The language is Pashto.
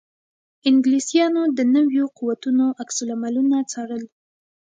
انګلیسیانو د نویو قوتونو عکس العملونه څارل.